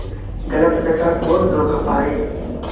گلت پئيٚسآ با ڪونا دو کپآئي